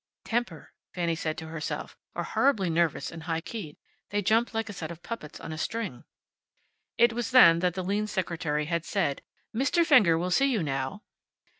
"Temper," said Fanny, to herself, "or horribly nervous and high keyed. They jump like a set of puppets on a string." It was then that the lean secretary had said, "Mr. Fenger will see you now."